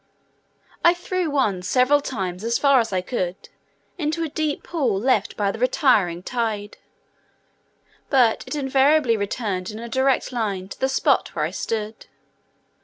I threw one several times as far as I could, into a deep pool left by the retiring tide; but it invariably returned in a direct line to the spot where I stood.